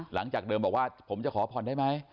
หลังจากเดิมบอกว่าผมจะขอผ่อนได้ไหม